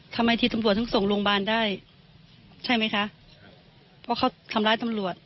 ทำไมไม่ส่งผู้ต่องหาไปโรงพยาบาล